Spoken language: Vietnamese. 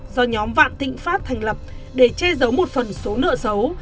do nhóm vạn thịnh pháp thành lập để che giấu một phần số nợ xấu